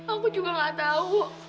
aku juga enggak tahu